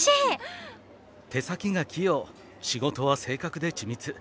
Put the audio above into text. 手先が器用仕事は正確で緻密。